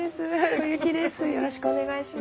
小雪です。